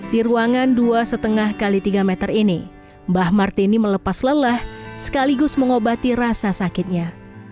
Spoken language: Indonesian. di ruangan dua lima x tiga meter ini mbah martini melepas lelah sekaligus mengobati rasa sakitnya